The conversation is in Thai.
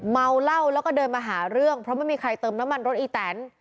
เมาเหล้าแล้วก็เดินมาหาเรื่องเพราะไม่มีใครเติมน้ำมันรถอีแตน